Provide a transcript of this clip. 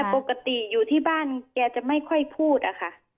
ปกติอยู่ที่บ้านแกจะไม่ค่อยพูดอะค่ะ